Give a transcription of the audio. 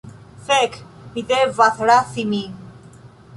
Fek' mi devas razi min